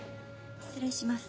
失礼します。